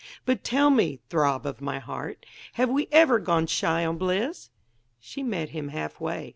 But tell me, throb of my heart, have we ever gone shy on bliss?" She met him half way.